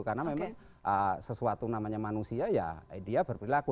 karena memang sesuatu namanya manusia ya dia berperilaku